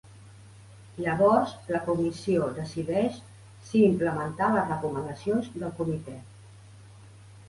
Llavors, la comissió decideix si implementar les recomanacions del comitè.